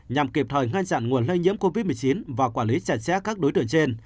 nhằm kịp thời ngăn chặn nguồn lây nhiễm covid một mươi chín và quản lý chặt chẽ các đối tượng trên